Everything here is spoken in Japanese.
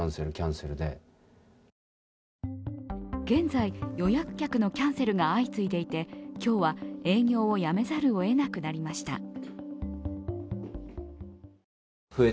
現在、予約客のキャンセルが相次いでいて、今日は営業をやめざるをえなくなりました。